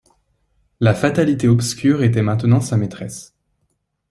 La fatalité obscure était maintenant sa maîtresse.